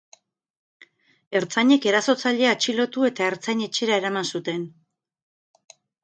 Ertzainek erasotzailea atxilotu, eta ertzain-etxera eraman zuten.